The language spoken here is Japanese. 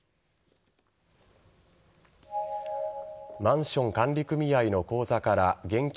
マンション管理組合の口座から現金